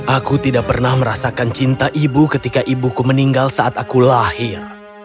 aku tidak pernah merasakan cinta ibu ketika ibuku meninggal saat aku lahir